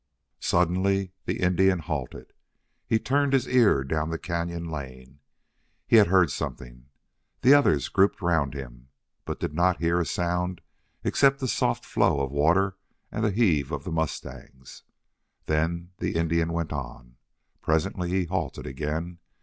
Suddenly the Indian halted. He turned his ear down the cañon lane. He had heard something. The others grouped round him, but did not hear a sound except the soft flow of water and the heave of the mustangs. Then the Indian went on. Presently he halted again.